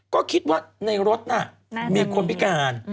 ก็คิดว่าในรถน่ะมีคนพิการ